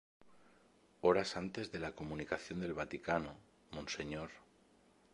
Horas antes de la comunicación del Vaticano, Mons.